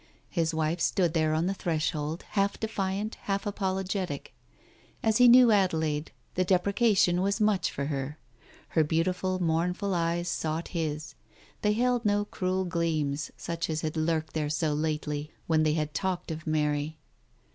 His wife stood there on the threshold, half defiant, half apologetic. As he knew Adelaide, the deprecation was much for her. Her beautiful mournful eyes sought his. They held no cryel gleams, such as had lurked there so lately, when they had talked of Mary.